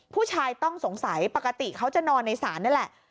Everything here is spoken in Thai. ผู้ชายต้องสงสัยปกติเขาจะนอนในศาลนี่แหละ